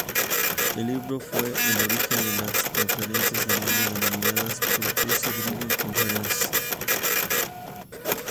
El libro fue el origen de las conferencias anuales denominadas "Purpose Driven Conference".